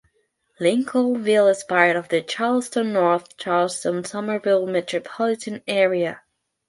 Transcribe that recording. Lincolnville is part of the Charleston-North Charleston-Summerville metropolitan area.